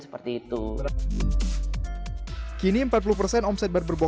setelah itu biar catherine bekerja di